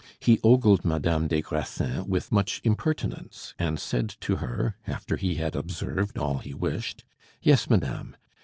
He ogled Madame des Grassins with much impertinence, and said to her, after he had observed all he wished, "Yes, madame.